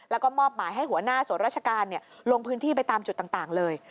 แล้วก็มอบหมายให้หัวหน้าส่วนราชการลงพื้นที่ไปตามจุดต่างเลย